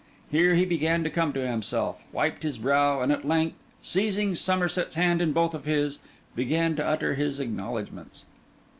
Here he began to come to himself, wiped his brow, and at length, seizing Somerset's hand in both of his, began to utter his acknowledgments.